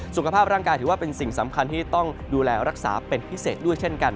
สุขภาพร่างกายถือว่าเป็นสิ่งสำคัญที่ต้องดูแลรักษาเป็นพิเศษด้วยเช่นกัน